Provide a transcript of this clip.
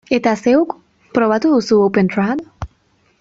Eta zeuk, probatu duzu OpenTrad?